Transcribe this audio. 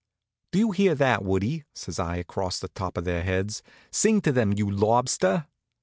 "Do you hear that, Woodie?" says I across the top of their heads. "Sing to 'em, you lobster!"